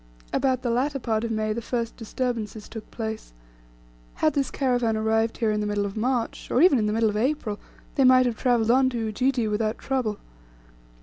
About the latter part of May the first disturbances took place. Had this caravan arrived here in the middle of March, or even the middle of April, they might have travelled on to Ujiji without trouble.